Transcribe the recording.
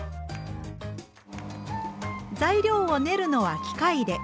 材料を練るのは機械で。